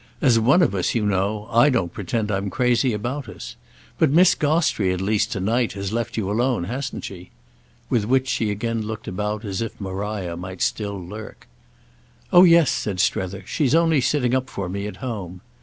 As one of us, you know, I don't pretend I'm crazy about us. But Miss Gostrey at least to night has left you alone, hasn't she?" With which she again looked about as if Maria might still lurk. "Oh yes," said Strether; "she's only sitting up for me at home."